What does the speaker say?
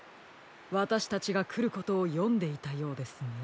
わたしたちがくることをよんでいたようですね。